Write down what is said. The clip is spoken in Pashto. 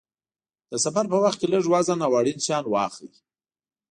د سفر په وخت کې لږ وزن او اړین شیان واخلئ.